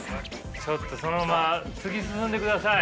ちょっとそのまま突き進んでください。